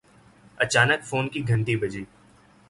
اچانک فون کی گھنٹی بجی